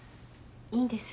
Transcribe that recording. いいんです